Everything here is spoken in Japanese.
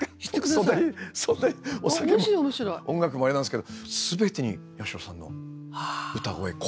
音楽もあれなんですけどすべてに八代さんの歌声声は。